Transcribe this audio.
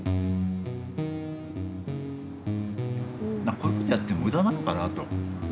こういうことやっても無駄なのかなと。